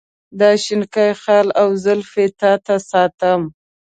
دا شینکی خال او زلفې تا ته ساتم.